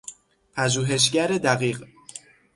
پژوهشگر دقیق